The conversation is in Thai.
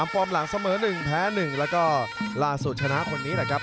๓ฟอร์มหลังเสมอหนึ่งแพ้๑แล้วก็ล่าสู้ชนะคนนี้นะครับ